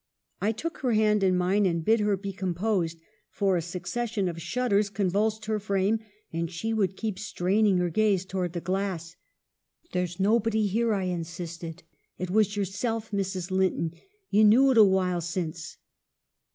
'" I took her hand in mine, and bid her be com posed, for a succession of shudders convulsed her frame, and she would keep "straining her gaze towards the glass. "' There's nobody here !' I insisted. ' It was yourself, Mrs. Linton : you knew it a while since.'